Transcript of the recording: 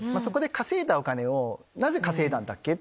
稼いだお金をなぜ稼いだんだ？